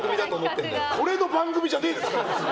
これの番組じゃねえんだよ！